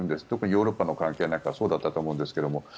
特にヨーロッパの関係なんかはそうだったと思うんですけど。